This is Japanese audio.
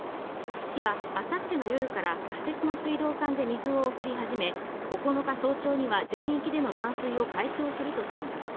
市は明後日の夜から仮設の水道管で水を送り始め、９日早朝には全域での断水を解消するとしています。